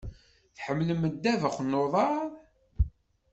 Tḥemmlem ddabex n uḍaṛ?